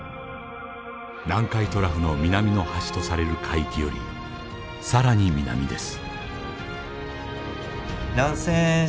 南海トラフの南の端とされる海域より更に南です。